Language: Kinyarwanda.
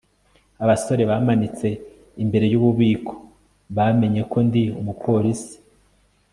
abasore bamanitse imbere yububiko bamenye ko ndi umupolisi